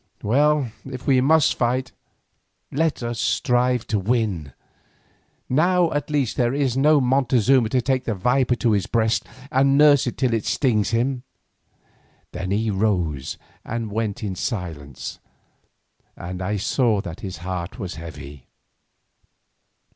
Well, if we must fight, let us strive to win. Now, at least, there is no Montezuma to take the viper to his breast and nurse it till it stings him." Then he rose and went in silence, and I saw that his heart was heavy.